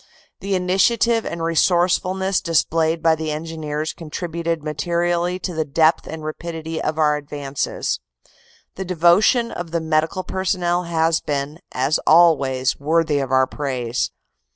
The initiative and resourcefulness displayed by the Engineers con tributed materially to the depth and rapidity of our advances. The devotion of the Medical personnel has been, as always, worthy of our praise.